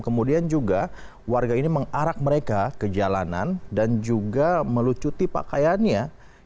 kemudian juga warga ini mengarak mereka ke jalanan dan juga melucuti pakaiannya